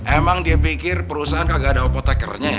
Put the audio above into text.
emang dia pikir perusahaan kagak ada opotekernya